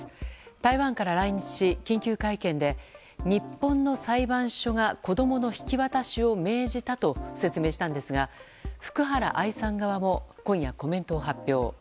台湾から来日し、緊急会見で日本の裁判所が子供の引き渡しを命じたと説明したんですが福原愛さん側も今夜、コメントを発表。